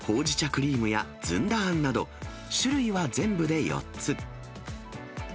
クリームやずんだあんなど、種類は全部で４つ。